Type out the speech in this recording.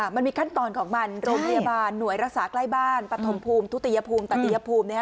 มันมีขั้นตอนของมันโรงพยาบาลหน่วยรักษาใกล้บ้านปฐมภูมิทุติยภูมิตัตยภูมิ